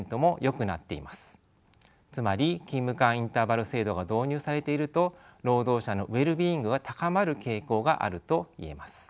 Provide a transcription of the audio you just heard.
つまり勤務間インターバル制度が導入されていると労働者のウェルビーイングが高まる傾向があると言えます。